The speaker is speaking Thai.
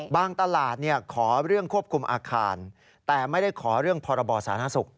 ตลาดขอเรื่องควบคุมอาคารแต่ไม่ได้ขอเรื่องพรบสาธารณสุข